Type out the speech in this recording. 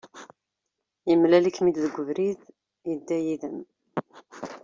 Yemlal-ikem-id deg ubrid, yedda yid-m.